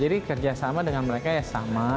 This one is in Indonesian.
jadi kerjasama dengan mereka ya sama